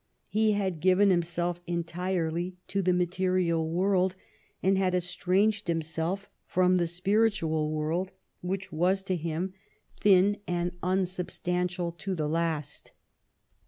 He had given himself entirely to the material world, and had estranged himself from the spiritual world, which XI THE WORK OF WOLSEY 217 was to him thin and unsubstantial to the last.